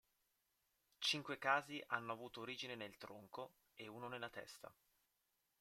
Cinque casi hanno avuto origine nel tronco e uno nella testa.